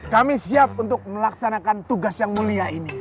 kami siap untuk melaksanakan tugas yang mulia ini